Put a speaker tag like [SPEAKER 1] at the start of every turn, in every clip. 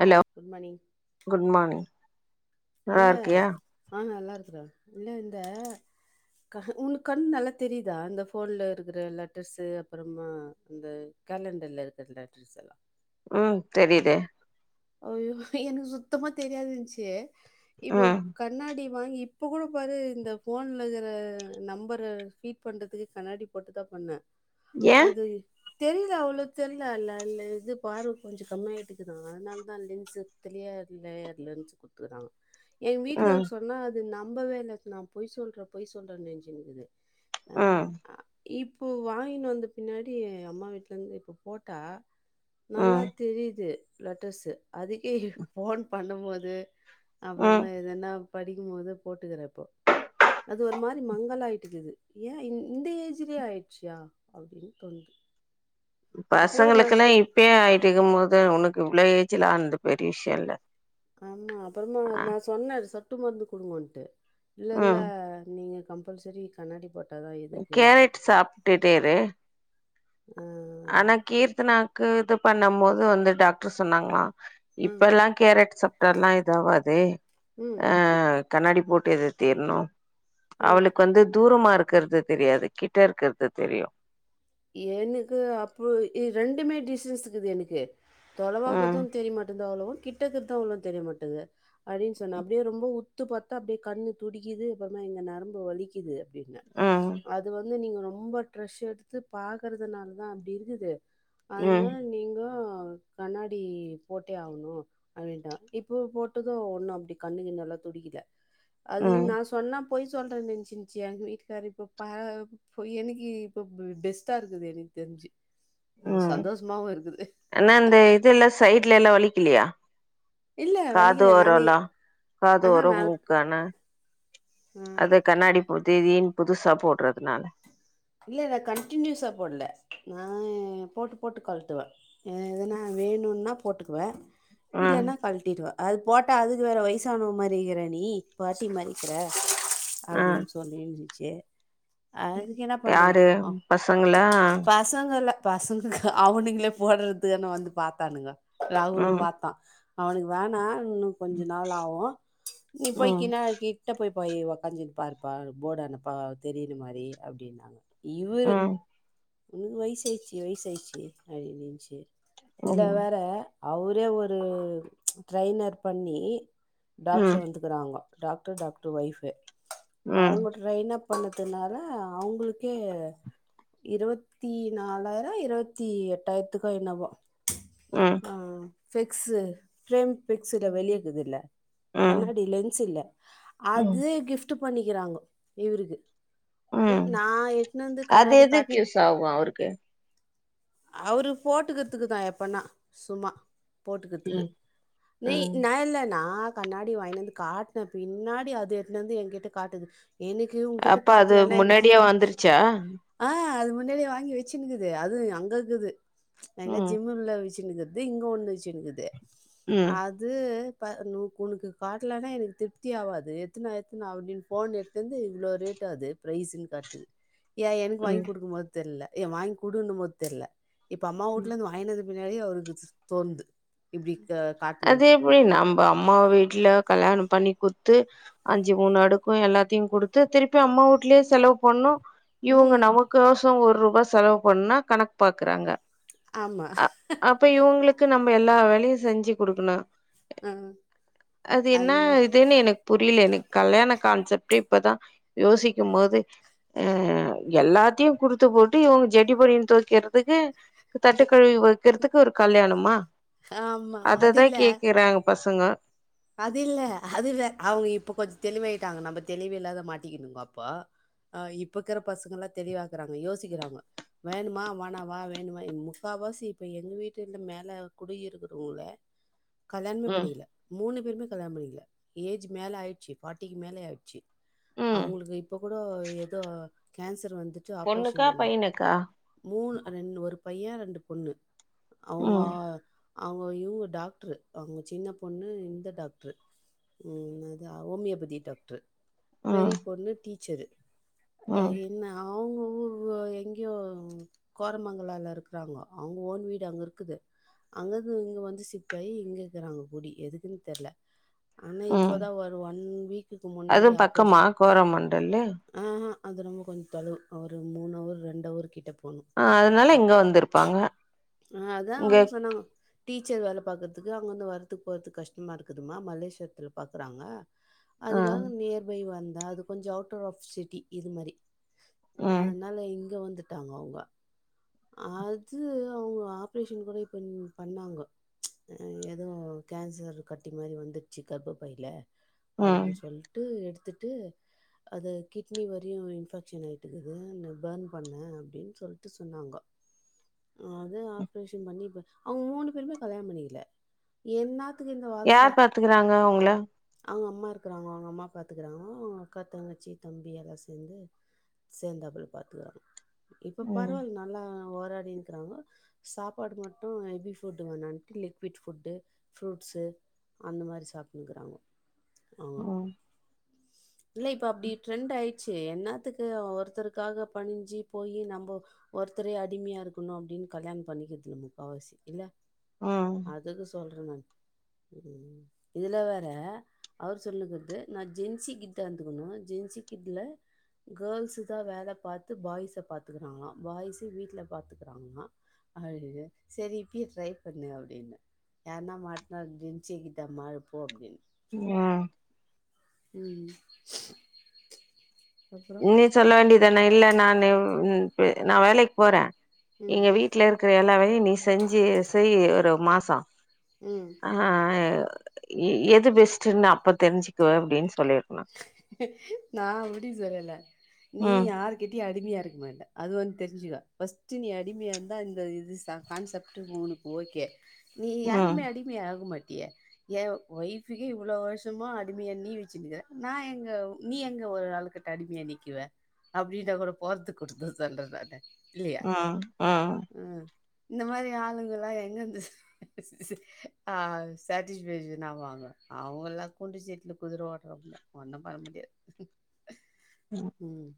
[SPEAKER 1] Hello
[SPEAKER 2] good morning
[SPEAKER 1] good morning நல்லா
[SPEAKER 2] இல்ல
[SPEAKER 1] இருக்கியா
[SPEAKER 2] ஆ நல்லா இருக்குறா இல்ல இல்ல உங்களுக்கு கண் நல்லா தெரியுதா இந்த போன்ல இருக்கிற லெட்டர்ஸு அப்புறமா அந்த கேலண்டர்ல இருக்கற லெட்டர்ஸ்ல்லா
[SPEAKER 1] ம் தெரியுதே
[SPEAKER 2] அய்யோ எனக்கு சுத்தமா தெரியாதுந்துச்சு இப்போ
[SPEAKER 1] ம்
[SPEAKER 2] கண்ணாடி வாங்கி இப்ப கூட பாரு இந்த போன்ல இருக்கிற நம்பரை ரீட் பண்றதுக்கு கண்ணாடி போட்டுதா பண்ணேன்
[SPEAKER 1] ஏ
[SPEAKER 2] அது தெரியல அவ்ளோ தெரியல இல்ல இல்ல இது பார்வ கொஞ்ச கம்மியாயிட்டுக்கு தாங்க அதுனால லென்ஸ் தெரிய லேயர்லென்ஸ் கொடுத்துர்கறாங்க எங்க
[SPEAKER 1] ம்
[SPEAKER 2] வீட்டுக்காரங் சொன்னா து நம்பவேல்ல நா பொய் சொல்றே பொய் சொல்றேன்னு நெஞ்சிருக்குது
[SPEAKER 1] அ
[SPEAKER 2] இப்போ வாங்கினு வந்த பின்னாடி அம்மா வீட்லருந்து இப்ப போட்டா நல்லா
[SPEAKER 1] ம்
[SPEAKER 2] தெரியுது லட்டர்ஸு அதுக்கே போன் பண்ணும் போது
[SPEAKER 1] ம்
[SPEAKER 2] அப்புறமா எதுன்னா படிக்கும் போது போட்டுக்கறப்போ அது ஒரு மாரி மங்கல்ஆயிட்டுது ஏ இந்த ஏஜிலேயே ஆயிடுச்சியா அப்படின்னு தோணுது அப்போ கூட நான்
[SPEAKER 1] பசங்களுக்கெல்லா இப்பயே ஆயிட்ருக்கு போது உனக்கு இவ்ள ஏஜ் ல ஆனது பெரிய விஷயல்ல
[SPEAKER 2] ஆமா அப்புறமா நா சொன்னே சொட்டு மருந்து குடுங்கன்ட்டு இல்ல இல்ல
[SPEAKER 1] ம்
[SPEAKER 2] நீங்க கம்பல்சரி கண்ணாடி போட் தா
[SPEAKER 1] கேரட் சாப்டுட்டேரு
[SPEAKER 2] ம்
[SPEAKER 1] ஆனா கீர்த்தனாக்கு இது பண்ணும் போது வந்து டாக்டர் சொன்னாங்களா
[SPEAKER 2] ம்
[SPEAKER 1] இப்பல்லா கேரட் சாப்டால்லா எதும் ஆவாது
[SPEAKER 2] ம்
[SPEAKER 1] கண்ணாடி போட்டே தீர்ணும்
[SPEAKER 2] ம்
[SPEAKER 1] அவளுக்கு வந்து தூரமா இருக்கறது தெரியாது கிட்ட இருக்கறது தெரியு
[SPEAKER 2] எனக்கு அப்ப ரெண்டுமே டிஸ்டன்ஸ் இக்குது எனக்கு
[SPEAKER 1] ம்
[SPEAKER 2] தொலவாக்குறது தெரிய மாட்டேது அவ்வளவா கிட்டருக்குறதும் அவ்வளவா தெரிய மாட்டது அப்படின்னு சொன்ன அப்படியே ரொம்ப உத்து பாத்தா அப்டியே கண்ணு துடிக்குது எப்பவுமே எங்க நரம்பு வலிக்குது அப்படின்ன
[SPEAKER 1] ம்
[SPEAKER 2] அது வந்து நீங்க ரொம்ப ட்ரெஷ் எடுத்து பாக்குறதுனால தா அப்டி இருக்குது
[SPEAKER 1] ம்
[SPEAKER 2] அதுனால நீங்கோ கண்ணாடி போட்டே ஆகணு அப்படின்டா இப்போ போட்டது ஒண்ணு அப்டி கண்ணுக்கு நல்லா துடிக்கல அது
[SPEAKER 1] ம்
[SPEAKER 2] நா சொன்னா பொய் சொல்றே நினைச்சுச்சு எங்க வீட்டுக்காரு இப்ப எனக்கு இப்ப பெஸ் ட்டா இருக்குது எனக்கு தெரிஞ்சு உம்
[SPEAKER 1] ம்
[SPEAKER 2] சந்தோஷமாவும் இருக்குது
[SPEAKER 1] ஆனா இந்த இதெல்லா சைட்ல எல்லா வலிக்கலியா
[SPEAKER 2] இல்ல
[SPEAKER 1] காது
[SPEAKER 2] வலிக்கல நானே
[SPEAKER 1] ஓரலா காது
[SPEAKER 2] ஆஹா
[SPEAKER 1] ஓர
[SPEAKER 2] நான்
[SPEAKER 1] மூக்கான
[SPEAKER 2] ஆ,
[SPEAKER 1] அத கண்ணாடி போதிதின் புதுசா போட்றதுனால
[SPEAKER 2] இல்லல கண்டினியூஸா போட்ல நா போட்டு போட்டு கழ்ட்டுவ எதனா வேணுன்னா போட்டுக்குவ
[SPEAKER 1] ம்
[SPEAKER 2] இல்லன்னா கழ்ட்டிருவ அது போட்டா அதுக்கு வேற வயசானவ மாறிக்கிற நீ பாட்டி மாறிக்கிற
[SPEAKER 1] ஆ
[SPEAKER 2] அப்டின் சொல்லின்ருந்ச்சி அதுக்கு என்னப் பண்றது
[SPEAKER 1] யாரு
[SPEAKER 2] ஆ
[SPEAKER 1] பசங்களா
[SPEAKER 2] பசங்க ல்ல பசங்க அவுனுங்ளே போட்றதுக்கான வந்து பாத்தானுங்க ராகுலு
[SPEAKER 1] ம்
[SPEAKER 2] பாத்தா அவ்னுக்கு வேணா இன்னு கொஞ்ச நாள் ஆவு நீ போய்
[SPEAKER 1] ம்
[SPEAKER 2] கினா கிட்ட போய் போய் ஒக்காஞ்சினு பாருப்பா போர்ட ஆன ப்பா தெரியுனு மாரி அப்டின்னாங்க இவுரு
[SPEAKER 1] ம்
[SPEAKER 2] உன்க்கு வயசாயிச்சி வயசாயிச்சி அப்டின்ச்சி இதுல
[SPEAKER 1] ம்
[SPEAKER 2] வேற அவுரே ஒரு ட்ரைனர் பண்ணி டாக்ட்ரு
[SPEAKER 1] ம்
[SPEAKER 2] வந்துக்குறாங்கோ டாக்ட்ரு டாக்ட்ரு ஒய்ஃபு
[SPEAKER 1] ம்
[SPEAKER 2] அவுங்க ட்ரைனப் பண்ணதுனால அவுங்குளுக்கு ஏ இருவத்தி நாலாயிர இருவத்தி எட்டாயிரத்துக்கோ என்னவோ
[SPEAKER 1] ம்
[SPEAKER 2] ஆ ஃபெக்ஸு ஃப்ரேம் ஃபெக்ஸுல வெளியேக்குதுல்ல
[SPEAKER 1] ம்
[SPEAKER 2] கண்ணாடி லென்ஸ் இல்ல
[SPEAKER 1] ம்
[SPEAKER 2] அது கிஃப்ட் பண்ணிகிறாங்கோ இவுருக்கு ம் நா
[SPEAKER 1] அது எதுக் யூஸ் ஆகு அவுருக்கு
[SPEAKER 2] அவுரு போட்டுக்கறத்துக்கு தா எப்பண்ணா சும்மா போட்டுக்கிர்துக்கு
[SPEAKER 1] ம்
[SPEAKER 2] நீ
[SPEAKER 1] ம்
[SPEAKER 2] நா இல்ல நா கண்ணாடி வாய்னு வந்து காட்ன பின்னாடி அது எடுத்னுவந்து என் கிட்ட காட்டுது எனுக்கு உங்கிட்ட காட்லனா
[SPEAKER 1] ச்சா
[SPEAKER 2] ஆ அது முன்னாடியே வாங்கி வச்சுனுக்குது அது அங்க இக்குது எங்க
[SPEAKER 1] ம்
[SPEAKER 2] ஜிம்முல வச்சுனுக்குது இது இங்க ஒண்ணுச்சுனுக்குது
[SPEAKER 1] ம்
[SPEAKER 2] அது ப னுகுனுக்கு காட்லனா எனக்கு திருப்தி ஆவாது எத்ன் வா எத்ன் வா அப்டின் ஃபோன் எந்தந்து இவ்ளோ ரேட் ட்டாது பிரைஸுன்னு காட்டுது ஏ எனக்கு வாங்கி
[SPEAKER 1] ம்
[SPEAKER 2] குடுக்கும் போது தெர்ல ஏன் வாங்க் குடுன்னும் போது தெர்ல இப்ப அம்மா வூட்லருந்து வாய்னு வந்துட்டு மின்னாடி அவருக்கு தோன்ந்து இப்டி
[SPEAKER 1] அது
[SPEAKER 2] காட்டணுன்ட்டு
[SPEAKER 1] எப்டி நம்ப அம்மா வீட்ல கல்யாணம் பண்ணி குட்த்து அஞ்சு மூணு அடுக்கூ எல்லாத்தையு குடுத்து திருப்பி அம்மா வூட்லயே செலவு பண்ணு இவுங்க
[SPEAKER 2] ம்
[SPEAKER 1] நமக்கோசம் ஒரு ரூபா செலவு பண்ணா கணக் பாக்குறாங்க
[SPEAKER 2] ஆமா
[SPEAKER 1] அ அப்ப இவுங்ளுக்கு நம்ப எல்லா வேலையு செஞ்சு குடுக்குணு
[SPEAKER 2] ஆ
[SPEAKER 1] அது
[SPEAKER 2] ஐ
[SPEAKER 1] என்னா இதுன்னு எனக் புரியில எனக் கல்யாண கான்செப்ட்டே இப்பதா யோசிக்கும் போது அ எல்லாத்தையு குடுத்து போட்டு இவுங்க ஜட்டி பனியன் தொவக்கிறதுக்கு தட்டுக்கழுவி வக்கறதுக்கு ஒரு கல்யாணமா
[SPEAKER 2] ஆமா
[SPEAKER 1] அததா கேக்குறாங்க ப சங்க
[SPEAKER 2] அதில்ல அது வே அவுங்க இப்ப கொஞ்ச தெளிவாயிட்டாங்க நம்ப தெளிவில்லாத மாட்டிக்கிணுங்க அப்போ அ இப்பக்கிற பசங்க எல்லா தெளிவாக்குறாங்க யோசிக்கிறாங்க வேணுமா வாணாவா வேணுவா முக்காவாசி இப்ப எங்வீட்டுலந்த மேல குடி இருக்குறவுங்ளே கல்யாண்மே
[SPEAKER 1] ம்
[SPEAKER 2] பண்ணிக்கில மூணு பேருமே கல்யாணம் பண்ணிக்கில ஏஜ் மேல ஆயிட்ச்சி ஃபாட்டிக்கி மேலயே ஆயிட்ச்சி
[SPEAKER 1] ம்
[SPEAKER 2] அவுங்களுக்கு இப்ப கூடோ எதோ கேன்சர் வந்து வந்துட்டு
[SPEAKER 1] பொண்ணுக்கா
[SPEAKER 2] ஆப்ரேஷன் பண்ணாங்
[SPEAKER 1] பையனுக்கா
[SPEAKER 2] மூண் ரெண் ஒரு பைய ரெண்டு பொண்ணு அவுங்கோ
[SPEAKER 1] ம்
[SPEAKER 2] அவுங்கோ இவ்ங்கோ டாக்ட்ரு அவுங்க சின்னப் பொண்ணு இந்த டாக்ட்ரு ம் அது ஹோமியோபதி டாக்ட்ரு
[SPEAKER 1] ம்
[SPEAKER 2] பெரிப் பொண்ணு டீச்சரு அ
[SPEAKER 1] ம்
[SPEAKER 2] என்ன அவுங்க ஊ இப்ப எங்யோ கோரமங்களால இருக்குறாங்கோ அவுங்க ஓன் வீடு அங்க இருக்குது அங்கந்து இங்க வந்து ஷிஃப்ட் ஆயி இங்க இக்குறாங்கோ குடி எதுக்குன் தெர்ல ஆனா
[SPEAKER 1] ம்
[SPEAKER 2] இப்போதா ஒரு ஒன் வீக்குக்கு முன்னாடி
[SPEAKER 1] அதுவும் பக்கமா
[SPEAKER 2] ஆப்ரேஷன்
[SPEAKER 1] கோரமண்டல்லு
[SPEAKER 2] ஆஹா அது ரொம்ப கொஞ்ச தொழுவு ஒரு மூணு அவர் ரெண்டு அவர் கிட்ட போணும்.
[SPEAKER 1] அ அதனால இங்க வந்திருப்பாங்க
[SPEAKER 2] ஆ அதான்
[SPEAKER 1] இங்க
[SPEAKER 2] அவங்க சொன்னாங்க டீச்சர் வேல பாக்கறதுக்கு அங்க வந்து வரதுக்கு போறக்கு கஷ்டமா இருக்குதுமா மலேசியத்துல பாக்குறாங்க
[SPEAKER 1] ஆ
[SPEAKER 2] அதுக்காக நியர்பை வந்த அது கொஞ்ச அவுட்ர் ஆஃப் சிட்டி இது மாரி
[SPEAKER 1] ம்
[SPEAKER 2] அதனால இங்க வந்துட்டாங்க அவுங்க அது அவுங்க ஆப்ரேஷன் கூட இப்ப பண்ணாங்க ச் அ எதோ கேன்சர் கட்டி மாரி வந்துட்ச்சு கர்ப்ப பையில
[SPEAKER 1] ம்
[SPEAKER 2] அப்டின்னு சொல்லிட்டு எடுத்துட்டு அது கிட்னி வரையு இன்ஃபெக்ஷன் ஆயிட்டுக்குது பர்ன் பண்ண அப்டின் சொல்ட்டு சொன்னாங்க அது ஆப்ரேஷன் பண்ணி இப்ப அவங்க மூணு பேருமே கல்யாண பண்ணிக்கல என்னா
[SPEAKER 1] யார் பாத்துக்கறாங்க அவுங்கள
[SPEAKER 2] அவங்க அம்மா இருக்கிறாங்க அவங்க அம்மா பாத்துக்கறாங்க அவங்க அக்கா தங்கச்சி தம்பி எல்லா சேந்து சேர்ந்தாப்புள்ள பாத்துக்கறாங்க இப்ப
[SPEAKER 1] ம்
[SPEAKER 2] பரவால்ல நல்லா ஓராடிக்கின்றாங்க சாப்பாடு மட்டு ஹெபி ஃபுட் வேணான்ட்டு லிக்விட் ஃபுட்டு ஃப்ரூட்ஸ் அந்த மாரி சாப்டுனுக்கிறாங்க
[SPEAKER 1] ஒ
[SPEAKER 2] ம் இல்ல இப்ப அப்டி ட்ரெண்ட் ஆயிடுச்சு என்னாத்துக்கு ஒருத்தருக்காக பணிஞ்சு போயி நம்ம ஒரு ஒருத்தரே அடிமையா இருக்கனு அப்படின் கல்யாண பண்ணிக்கதுல முக்காவாசி இல்ல
[SPEAKER 1] ம்
[SPEAKER 2] சொல்ற நானு இதுல வேற அவர் சொல்லுங்கிறது நான் ஜென்சி கிட்டா இந்துக்கணு ஜென் பசிக்குதுல கேர்ள்ஸ் தா வேல பாத்து பாய்ஸ பாத்துக்குறாங்களா பாய்ஸ் வீட்ல பாத்துக்கிறாங்களா அழு சரி இப்பே ட்ரை பண்ணு அப்டின்னு யார்னா மாட்னா ஜென்சி கிட்டா மாரு போ அப்டின்னு
[SPEAKER 1] உ அ
[SPEAKER 2] ம் அப்றோ
[SPEAKER 1] நீ சொல்ல வேண்டியதான இல்ல நானு நா வேலைக்கு போறே
[SPEAKER 2] ம்
[SPEAKER 1] எங்க வீட்ல இருக்கிற எல்லாவையு நீ செஞ்சு செய் ஒரு மாச
[SPEAKER 2] ம்
[SPEAKER 1] ஆ எது பெஸ்ட்ன்னு அப்ப தெரிஞ்சுக்கு அப்டின்னு சொல்லிரு
[SPEAKER 2] நான் அப்டி சொல்லல நீ
[SPEAKER 1] ம்
[SPEAKER 2] யாரு கிட்டயு அடி மையா இருக்க மாட்ட அது ஒன்னு தெரிஞ்சுக்க ஃபஸ்ட் நீ அடிமையா இருந்தா இந்த இது கான்செப்ட் உனக் ஓகே நீ
[SPEAKER 1] ம்
[SPEAKER 2] யாருக்மே அடிமையா ஆக மாட் டியே எ ஒய்ஃபுக்கே இவ்ளோ வருஷமா அடிமையா நீ வச்சுனுக்கிற நா எங்க நீ எங்க ஒரு ஆளுகிட்ட அடிமையா நிக்குவ அப்பிடினா கூட போரத்து கொடுத்த சொல்ற நானு இல்லையா
[SPEAKER 1] ஆ ஆ
[SPEAKER 2] ம். இந்த மாதிரி ஆளுங்களா எங்கந்து அ சாட்டிஸ்ஃபேஷன் ஆவாங்க அவங்கல்லா குண்டு சடில குதிர ஓட்றவங்க ஒண்ணு பண்ண முடியாது ம்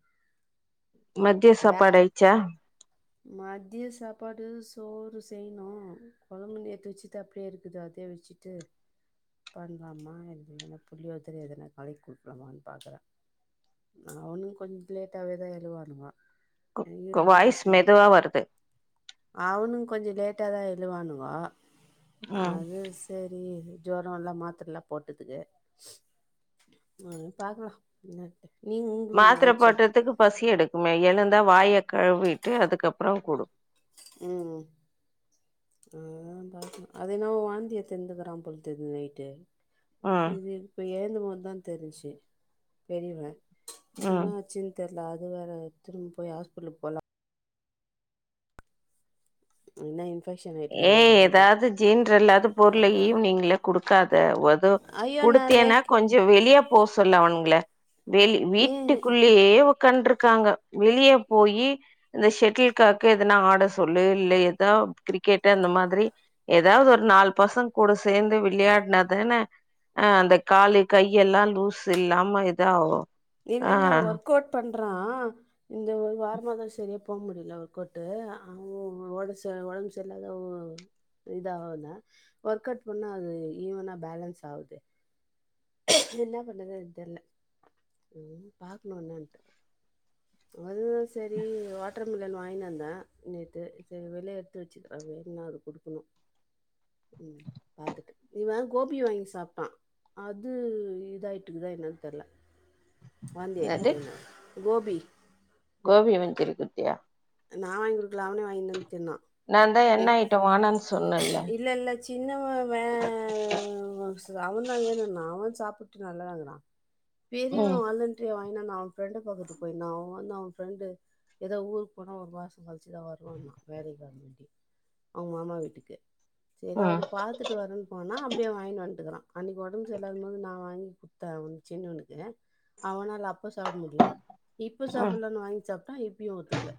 [SPEAKER 1] மதிய
[SPEAKER 2] பே
[SPEAKER 1] சாப்பாடு ஆயிச்சா
[SPEAKER 2] மதிய சாப்பாடு சோறு செய்யணு கொழம்பு நேத்து வச்சது அப்டியே இருக்குது அது அதே வச்சிட்டு பண்லாமா என்னா புளியோதர எதனா கலக்கி குடுக்கலாமான்னு பாக்குற அவனும் கொஞ்ச லேட்டாவேதா எழுவானுங்க
[SPEAKER 1] உங்க வாய்ஸ் மெதுவா வருது
[SPEAKER 2] அவனுங் கொஞ்ச லேட்டாதா எழுவானுங்கோ
[SPEAKER 1] ம்
[SPEAKER 2] அது சரி ரி ஜொரோ லா மாத்திரலா போட்டுதுக்கு உம் பாக்கலாம் என்
[SPEAKER 1] மாத்திரை போட்டுறதுக்கு பசி எடுக்குமே எழுந்து அதான் வாய கழுவிட்டு அதுக்கப்புறம் கூடும்
[SPEAKER 2] உம் ஆஹ்ஹான் பா அது என்னவோ வாந்தி எடுத்துக்கிறான் போல நேந்து நைட்டு
[SPEAKER 1] ம்
[SPEAKER 2] இது இப்ப ஏந்த போது தான் தெரிஞ்சச்சு தெரியல
[SPEAKER 1] ம்
[SPEAKER 2] என்னா ஆச்சுன்னு தெரியல அது வேற திரும்ப போய் ஹாஸ்பிடலுக்கு போலாம் என்ன இது
[SPEAKER 1] ஏ எதாவது ஜென்ரல்லாவது பொருள ஈவினிங்ல குடுக்காத தேவது
[SPEAKER 2] ஐயோ நான்
[SPEAKER 1] குடுத்தியேன்னா கொஞ்சம் வெளிய போ சொல்லு அவனுங்கள வெளி
[SPEAKER 2] ஏன்
[SPEAKER 1] வீட்டுக்குள்ளேயே உட்கார் உட்கண்டிருக்காங்க வெளியே போய் இந்த ஷட்டில்காக்கு எதனாவது ஆட சொல்லு இல்ல ஏதாவது கிரவு கேட்ட அந்த மாதிரி ஏதாவது ஒரு நாலு பசங்க கூட சேர்ந்து விளையாடினாதானே அஹ் அந்த காலு கையி யெல்லாம் லூஸ் இல்லாம இதாகும்
[SPEAKER 2] இல்ல இல்ல ஒர்க் அவுட் பண்றான் இந்த ஒரு வா வாரமாதான் சரியா போக முடியல ஒர்க்கவுட்டு அவ உடம்பு சரி உடம்பு சரியல்லாத இதானாலதான் ஒர்க் அவுட் பண்ணா அது ஈவனா பேலன்ஸ் ஆகுது என்ன பண்றது இதுல்ல உஹ பாாரக்கணும் என்னான்ட்டு அதுதா சரி வாட்டர் மிலன் வாங்கினாந்தான் நேத்து இன்னைக்கு சரி வெளிய எடுத்து வச்சுருக்க அ வேணும்னா அது கொடுக்கணும் உம் பாத்துக்கேன் இவன் கோபி வாங்கி சாப்பிட்டான் அது இதாகிட்டுக்கு தான் என்னான்னு தெரில வாந்தியா
[SPEAKER 1] அது
[SPEAKER 2] ஆயிட்டுக்குது கோபி [inaudible]
[SPEAKER 1] கோபி மஞ்சுரியன் குடுத்தியா
[SPEAKER 2] நான் வாங்கி குடுக்கல அவனே வாங்கி தின்னுட்டு இருந்தான்
[SPEAKER 1] நான் தான்
[SPEAKER 2] ஏ
[SPEAKER 1] என்ன ஐட்டம் வேணான்னு சொன்னேன்ல
[SPEAKER 2] இல்ல இல்ல சின்னவன் வேஹ் அவன் தான் வேணும் நா அவன் சாப்பிட்டு நல்லவந்தான்
[SPEAKER 1] ம்
[SPEAKER 2] பெரியவன் வந்துட்டு என்னா நான் அவன் ஃப்ரெண்ட பாக்குறததுக்கு போயிருந்தான் அவன் வந்து அவன் பஃரெண்டு ஏதோ ஊரு போனா ஒரு மாசம் கழிச்சுதான் வருவான்னா வேலைக்காக வேண்டி அவங்க மாமா வீட்டுக்கு சரி
[SPEAKER 1] ம்
[SPEAKER 2] அவன பாத்துட்டு வரன்னு போனா அப்படியே வாங்கிட்டு வந்துருக்குறா அன்னைக்கு உடம்பு சரியில்லாத போது நான் வாங்கி குடுத்த சின்னவனுக்கு அவனால அப் அப்ப சாப்பிட முடியல இப்ப
[SPEAKER 1] ம்
[SPEAKER 2] சாப்பிடலானு வாங்கி சாப்பிட்டா இப்பயும் ஒத்துக்கல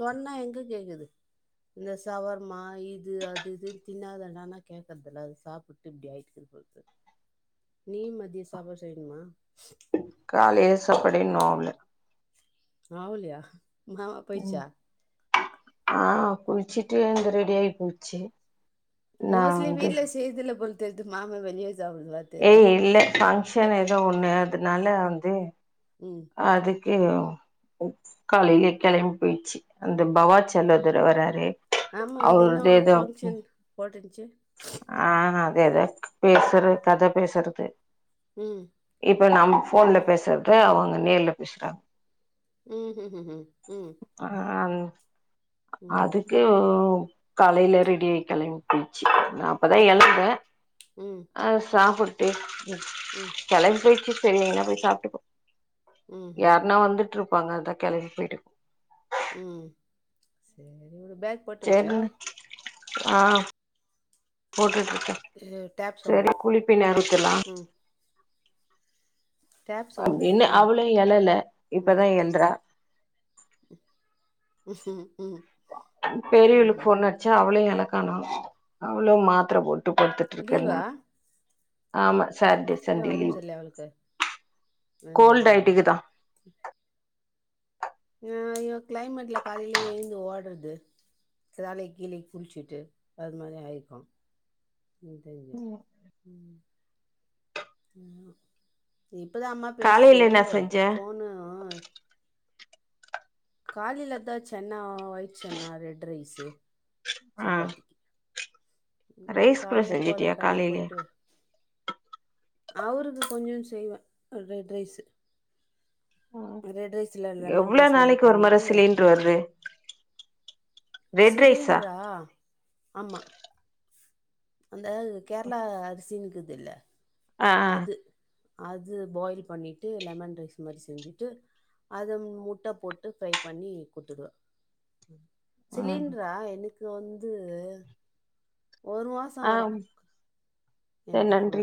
[SPEAKER 2] சொன்னா எங்க கேக்குது இந்த சவார்மா இது அது இதுன்னு தின்னாதனனா கேக்குறதில்ல அது சாப்பிட்டு இப்படி ஆயிட்டு இருக்கு நீ மதியம் சாப்பாடு செய்யணுமா
[SPEAKER 1] கால் ஏசப்படின்னு அவள
[SPEAKER 2] ஆவலயா மாமா போயிடுச்சா
[SPEAKER 1] ஆஹ் குளிச்சிட்டு வந்து ரெடி ஆயி போச்சு நான்
[SPEAKER 2] மோஸ்ட்லி
[SPEAKER 1] வந்து
[SPEAKER 2] வீட்டுல செய்றதுல்ல போல தெரியுது மாம வெளிய
[SPEAKER 1] ஏய் இல்லை பங்க்ஷன் ஏதோ ஒண்ணு அதனால வந்து
[SPEAKER 2] உம்ம்
[SPEAKER 1] ஏய் ஓ காலையில கிளம்பி போயிடுச்சு அந்த பவா சகோதரர் வராரு
[SPEAKER 2] ஆமா அது என்ன பங்க்ஷன் போட்டன்
[SPEAKER 1] ஆஹ் அது எத பேசுறது கதை பேசுறது
[SPEAKER 2] உம்
[SPEAKER 1] இப்ப நம் போன்ல பேசுறது அவங்க நேர்ல பேசுறாங்க
[SPEAKER 2] உஹம் உஹம் உஹம் உஹம் உம்
[SPEAKER 1] ஆஹ் அதுக்கு காலையில ரெடி ஆயி கிளம்பிப் போ நான் அப்பதான் எழுந்தேன்
[SPEAKER 2] ம்
[SPEAKER 1] அஹ் சாப்பிடுட்டு
[SPEAKER 2] ம்
[SPEAKER 1] கிளம்பி போயிச்சு சரி எங்கனா போய் சாப்பிட்டுக்கோம்
[SPEAKER 2] ம் ம்
[SPEAKER 1] யாருன்னா வந்துட்டு இரு இருப்பாங்க அதான் கிளங்கி போயிட்டுக்கும்
[SPEAKER 2] ம் சேரி உடு பேக் போட்டு வச்சா
[SPEAKER 1] ஆ போட்டுட்டு
[SPEAKER 2] டேப் சவுண்டு
[SPEAKER 1] செரி குளிப்பின்ன இருக்கெல்லா
[SPEAKER 2] ம் டேப்
[SPEAKER 1] ஓம்
[SPEAKER 2] சவுண்டு
[SPEAKER 1] பின்னு
[SPEAKER 2] ஆ
[SPEAKER 1] அவுளு எலல
[SPEAKER 2] ம்
[SPEAKER 1] இப்பதா எல்றா
[SPEAKER 2] உஹம் உ
[SPEAKER 1] பெரியிவ்ளுக் ஃபோன் அட்ச்சா அவளு எலக்கானு அவுளு மாத்ர போட் டு பட்த்துட்
[SPEAKER 2] லீவா
[SPEAKER 1] இர்க்கன்னா ஆமா சேட்டே
[SPEAKER 2] ஏன்
[SPEAKER 1] சண்டே
[SPEAKER 2] ஒடம்பு
[SPEAKER 1] லீவ்
[SPEAKER 2] சரியில்லையா அவளுக்கு ரெண்டு நாள்
[SPEAKER 1] கோல்ட்
[SPEAKER 2] லீவா
[SPEAKER 1] ஆயிட்டுக்குதா
[SPEAKER 2] அ அய்யோ க்ளைமேட்ல காலைலே எழுந்து ஓட்றது சாளே கீளிக் புல்ச்சிட்டு அது மாரி ஆயிர்க்கு நீ தங்ய ம் இப்பதா அம்மா பேஸ்ச்சு
[SPEAKER 1] காலையில என்ன செஞ்ச
[SPEAKER 2] ஃபோனு காலிலதா சென்னா ஒயிட் சென்னா ரெட் ரைஸு
[SPEAKER 1] ஆ
[SPEAKER 2] சப்பாத்திக்கி ன்னும்
[SPEAKER 1] ரைஸ் கூட
[SPEAKER 2] கடைக் போல
[SPEAKER 1] செஞ்சுட்டியா
[SPEAKER 2] கடைக்
[SPEAKER 1] காலையில
[SPEAKER 2] போயிட்டு வரு அவுருக்கு கொஞ்சோ செய்வ ரெட் ரைஸு ரெட் ரைஸ்ல லெமன்
[SPEAKER 1] எவ்ளோ
[SPEAKER 2] ரைஸ் மாரி
[SPEAKER 1] நாளைக்கு ஒரு மற சிலிண்ட்ர் வர்து
[SPEAKER 2] சிலிண்ட்ரா ஆமா அந்த கேரளா அருசினுக்குது இல்ல
[SPEAKER 1] அ அ
[SPEAKER 2] அது பாயில் பண்ணிட்டு லெமன் ரைஸ் மாரி செஞ்சிட்டு அத முட்ட போட்டு ஃப்ரை பண்ணி குத்துடுவ
[SPEAKER 1] ஆ ம்
[SPEAKER 2] சிலிண்ட்ரா எனுக்கு வந்து ஒரு மாச
[SPEAKER 1] ஆ
[SPEAKER 2] வரும்
[SPEAKER 1] சரி
[SPEAKER 2] எனுக்கு
[SPEAKER 1] நன்றி
[SPEAKER 2] ஃபுல்லா